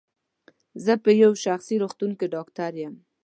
زه په یو شخصي روغتون کې ډاکټر یم.